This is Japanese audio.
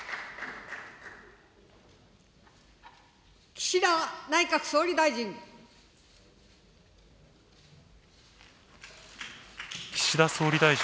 岸田内閣総理大臣。